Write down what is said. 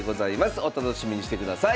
お楽しみにしてください。